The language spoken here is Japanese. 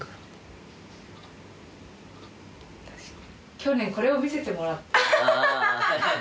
去年これを見せてもらった。